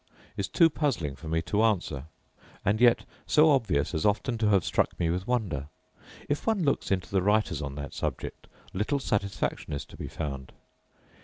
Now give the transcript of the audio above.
is too puzzling for me to answer; and yet so obvious as often to have struck me with wonder. If one looks into the writers on that subject little satisfaction is to be found.